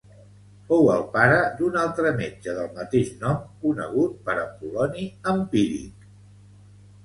Fou el pare d'un altre metge del mateix nom conegut per Apol·loni Empíric.